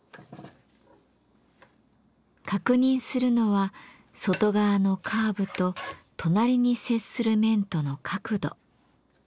確認するのは外側のカーブと隣に接する面との角度。